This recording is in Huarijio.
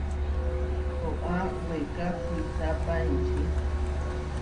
Tóa, weeká puisápa enčí.